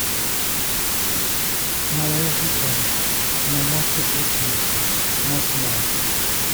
Não é irritante, não mostra fraqueza, não se move